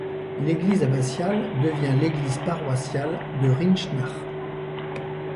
L'église abbatiale devient l'église paroissiale de Rinchnach.